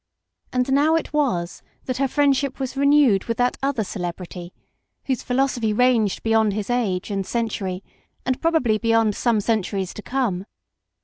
And now it was that her friendship was renewed with that other celebrity, whose philosophy ranged beyond his age and century, and probably beyond some centuries to come.